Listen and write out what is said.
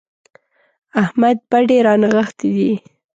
احمد بډې رانغښتې دي.